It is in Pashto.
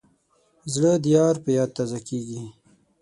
زړه د یار په یاد تازه کېږي.